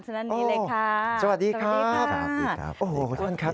ท่านนี้เลยค่ะสวัสดีครับสวัสดีครับสวัสดีครับสวัสดีครับ